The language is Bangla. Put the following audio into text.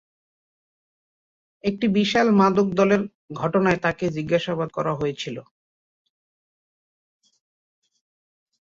একটি বিশাল মাদক দলের ঘটনায় তাঁকে জিজ্ঞাসাবাদ করা হয়েছিল।